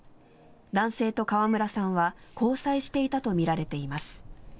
男性と川村さんは交際していたとみられています。